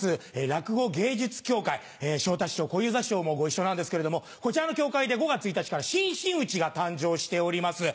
落語芸術協会昇太師匠小遊三師匠もご一緒なんですけれどもこちらの協会で５月１日から新真打ちが誕生しております。